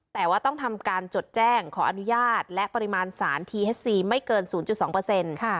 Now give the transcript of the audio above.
แต่ว่าต้องทำการจดแจ้งขออนุญาตและปริมาณสารทีเฮสซีไม่เกิน๐๒เปอร์เซ็นต์